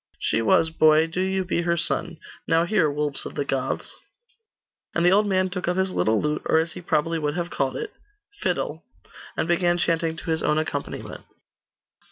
'She was, boy. Do you be her son. Now hear, Wolves of the Goths!' And the old man took up his little lute, or as he would probably have called it, 'fidel,' and began chanting to his own accompaniment.